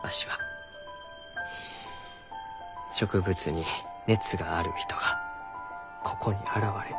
植物に熱がある人がここに現れた。